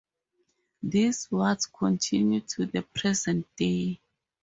These wards continue to the present day.